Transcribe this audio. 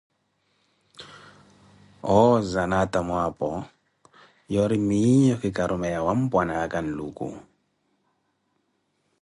Owooze anaatamu apo, yoori miiyo ki karumeya wha Mpwanaaka Nluku.